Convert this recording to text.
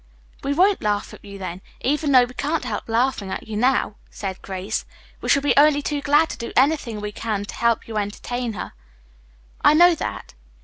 "We won't laugh at you, then, even though we can't help laughing at you now," said Grace. "We shall be only too glad to do anything we can to help you entertain her." "I know that.